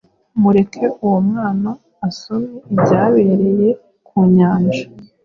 Mureke uwo mwana asome ibyabereye ku nyanja,